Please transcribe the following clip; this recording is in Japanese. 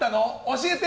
教えて！